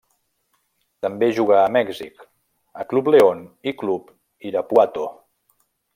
També jugà a Mèxic a Club León i Club Irapuato.